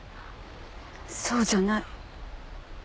そうじゃない。